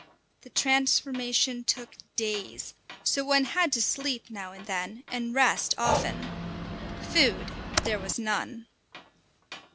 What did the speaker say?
The transformation took days, so one had to sleep now and then, and rest often. Food there was none.